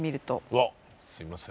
うわすいません。